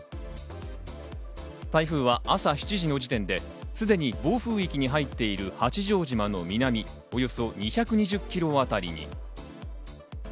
台風は朝７時の時点ですでに暴風域に入っている八丈島の南、およそ２２０ｋｍあたりに。